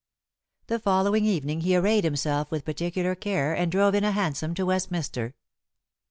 The following evening he arrayed himself with particular care and drove in a hansom to Westminster.